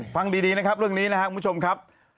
ฟังดีนะครับเรื่องนี้นะครับคุณผู้ชมครับ